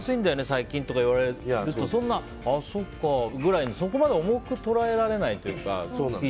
最近って言われると、そっかくらいのそこまで重く捉えられないというか。